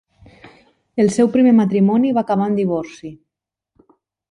El seu primer matrimoni va acabar en divorci.